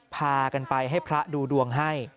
พากันไปให้พระดูดวงให้